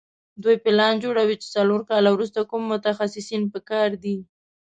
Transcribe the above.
دوی پلان جوړوي چې څلور کاله وروسته کوم متخصصین په کار دي.